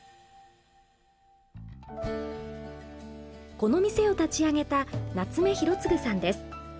この店を立ち上げた夏目浩次さんです。